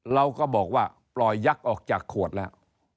เราก็บอกว่าปล่อยยักษ์ออกจากขวดแล้ว